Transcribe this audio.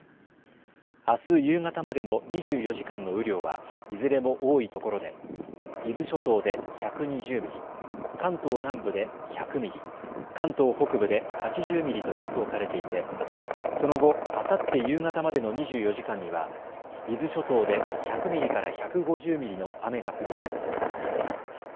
あす夕方までの２４時間の雨量はいずれも多いところで伊豆諸島で１２０ミリ、関東南部で１００ミリ、関東北部で８０ミリと予想されていてその後、あさって夕方までの２４時間には伊豆諸島で１００ミリから１５０ミリの雨が降ると予想されています。